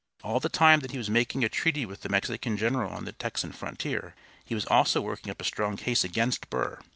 All the time that he was making a treaty with the Mexican general on the Texan frontier he was also working up a strong case against Burr.